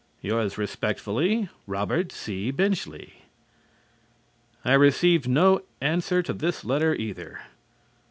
Yours respectfully, ROBERT C. BENCHLEY. I received no answer to this letter either.